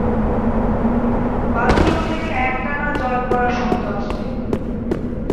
Bathroom থেকে একটানা জল পড়ার শব্দ আসছে।